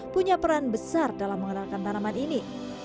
punya peran besar dalam mengenalkan tanaman ini